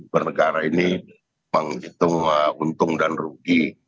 bernegara ini menghitung untung dan rugi